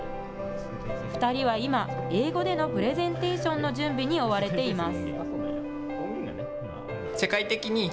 ２人は今、英語でのプレゼンテーションの準備に追われています。